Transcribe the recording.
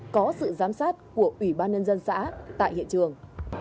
có sự giám sát của ủy ban nhân dân xã tại hiện trường